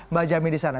mbak jamin di sana